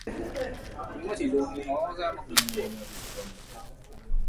The parish is controlled by a parish meeting.